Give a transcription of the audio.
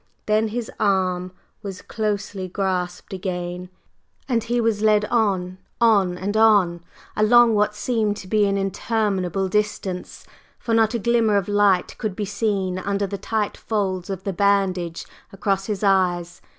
Then his arm was closely grasped again, and he was led on, on and on, along what seemed to be an interminable distance, for not a glimmer of light could be seen under the tight folds of the bandage across his eyes.